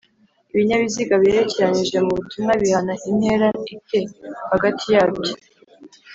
Ibinyabiziga biherekeranije mubutumwa bihana intera ite hagatiyabyo